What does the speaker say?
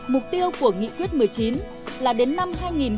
mục tiêu của nghị quyết một mươi chín là đến năm hai nghìn một mươi bảy